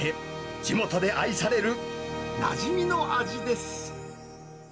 地元で愛されるなじみの味です。